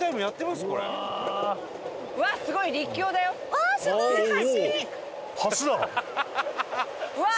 うわっすごい！橋！